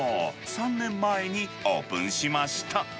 ３年前にオープンしました。